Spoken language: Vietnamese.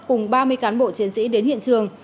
cùng ba mươi cán bộ chiến sĩ đến hiện trường